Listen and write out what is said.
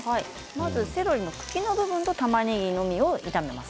まずセロリの茎の部分とたまねぎのみを炒めます。